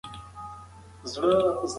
دا انځر تر هغو نورو وچو مېوو ډېر کلسیم لري.